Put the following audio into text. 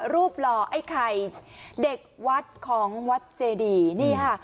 หล่อไอ้ไข่เด็กวัดของวัดเจดีนี่ค่ะ